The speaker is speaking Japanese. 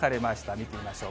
見てみましょう。